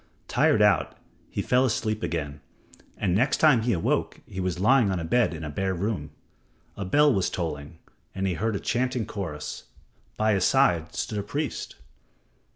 Tired out, he fell asleep again, and next time he awoke he was lying on a bed in a bare room. A bell was tolling, and he heard a chanting chorus. By his side stood a priest.